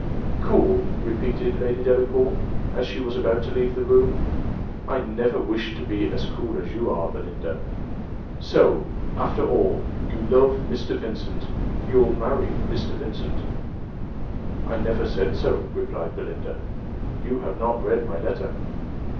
"Cool!" repeated Lady Delacour, as she was about to leave the room, "I never wish to be as cool as you are, Belinda! So, after all, you love Mr. Vincent you'll marry Mr. Vincent!" "I never said so," replied Belinda: "you have not read my letter.